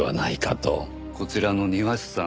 こちらの庭師さん